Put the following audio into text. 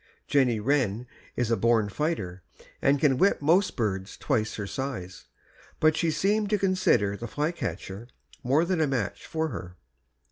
Jenny Wren is a born fighter, and can whip most birds twice her size, but she seemed to consider the flycatcher more than a match for her.